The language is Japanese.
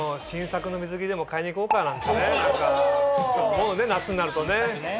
思うね夏になるとね。